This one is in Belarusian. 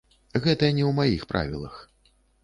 Гэта не ў маіх правілах.